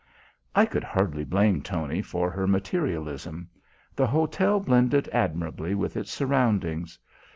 I could hardly blame Tony for her materialism. The hotel blended admirably with its surroundings.